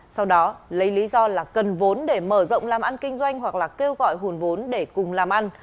sau đó lấy lý do là cần vốn để mở rộng làm ăn kinh doanh hoặc là kêu gọi nguồn vốn để cùng làm ăn